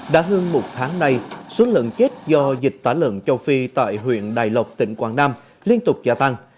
đã hơn một tháng nay số lợn chết do dịch tả lợn châu phi tại huyện đài lộc tỉnh quảng nam liên tục gia tăng